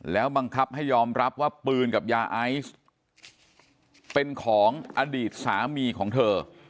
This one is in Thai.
แล้วบังคับให้ยอมรับว่าปืนกับยาไอซ์เป็นของอดีตสามีของเธอ